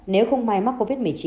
nếu không may mắc covid một mươi chín